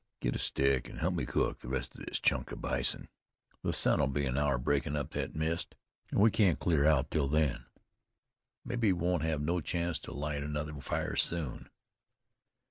"Get a stick, an' help me cook the rest of this chunk of bison. The sun'll be an hour breakin' up thet mist, an' we can't clear out till then. Mebbe we won't have no chance to light another fire soon."